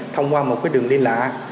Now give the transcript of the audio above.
thông qua một đường liên lạc